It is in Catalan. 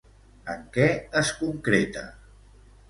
En què es concreta?